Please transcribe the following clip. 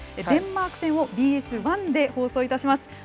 デンマーク戦をＢＳ１で放送いたします。